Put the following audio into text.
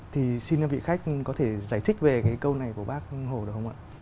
thì xin các vị khách có thể giải thích về cái câu này của bác hồ được không ạ